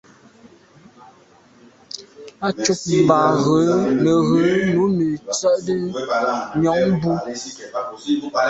Á cúp mbɑ̄ rə̌ nə̀ rə̀ nǔ nə̄ tsə́’də́ nyɔ̌ŋ bú.